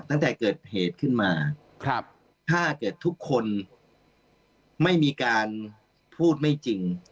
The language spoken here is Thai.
ตั้งแต่เกิดเหตุขึ้นมาถ้าเกิดทุกคนไม่มีการพูดไม่จริง